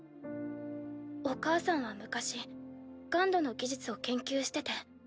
お母さんは昔ＧＵＮＤの技術を研究してて。